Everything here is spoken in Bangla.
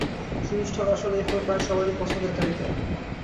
সুমিষ্ট ও রসালো এই ফল প্রায় সবারই পছন্দের তালিকায়।